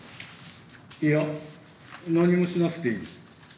いや何もしなくていい。